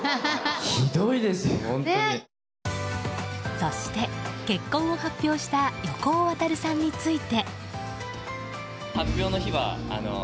そして、結婚を発表した横尾渉さんについて。